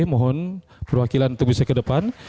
mohon perwakilan untuk bisa ke depan